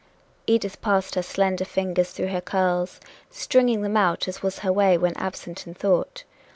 Edith passed her slender fingers through her curls, stringing them out as was her way when absent in thought.